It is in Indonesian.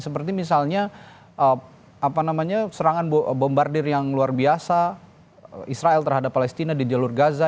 seperti misalnya serangan bombardir yang luar biasa israel terhadap palestina di jalur gaza